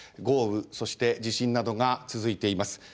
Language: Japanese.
豪雨そして地震などが続いています。